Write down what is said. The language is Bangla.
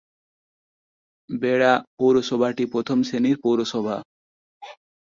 বেড়া পৌরসভাটি প্রথম শ্রেণীর পৌরসভা।